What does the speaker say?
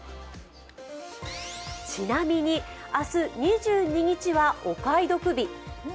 ちなみに、明日２２日はお買い得日。